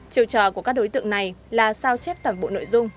chiều trò của các đối tượng này là sao chép toàn bộ nội dung